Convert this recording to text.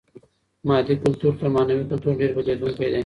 مادي کلتور تر معنوي کلتور ډېر بدلېدونکی دی.